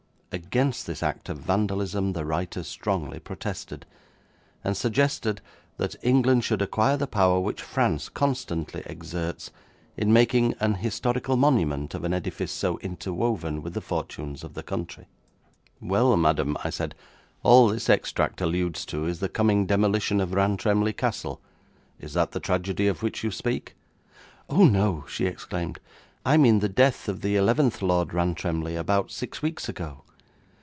Against this act of vandalism the writer strongly protested, and suggested that England should acquire the power which France constantly exerts, in making an historical monument of an edifice so interwoven with the fortunes of the country. 'Well, madam,' I said, 'all this extract alludes to is the coming demolition of Rantremly Castle. Is that the tragedy of which you speak?' 'Oh no,' she exclaimed; 'I mean the death of the eleventh Lord Rantremly about six weeks ago.